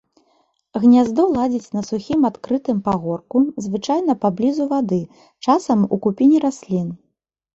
Гняздо ладзіць на сухім адкрытым пагорку, звычайна паблізу вады, часам у купіне раслін.